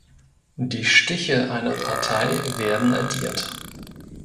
Die Stiche einer Partei werden addiert.